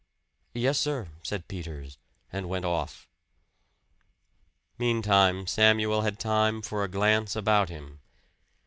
"Yes, sir," said Peters, and went off. Meantime Samuel had time for a glance about him.